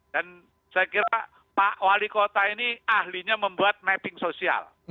dan saya kira pak wali kota ini ahlinya membuat mapping sosial